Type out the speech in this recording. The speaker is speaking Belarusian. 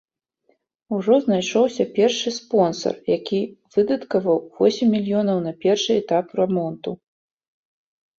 Ужо знайшоўся першы спонсар, які выдаткаваў восем мільёнаў на першы этап рамонту.